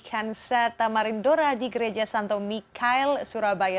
hansa tamarindora di gereja santo mikhail surabaya